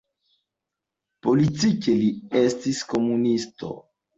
Politike li estis komunisto.